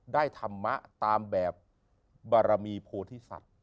ได้ธรรมะตามแบบบารมีโพธิศัพท์